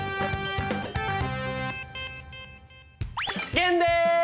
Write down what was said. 玄です！